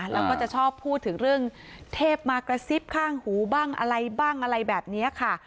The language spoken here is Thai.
แล้วก็จะชอบพูดถึงเรื่องเทพมากระซิบข้างหูบ้างอะไรบ้างอะไรแบบนี้ค่ะ